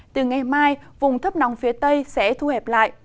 từ ngày mai vùng thấp nóng phía tây sẽ thu hẹp lại